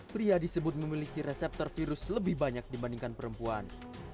pria disebut memiliki reseptor virus lebih banyak dibandingkan perempuan